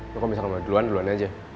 kok misalnya mau duluan duluan aja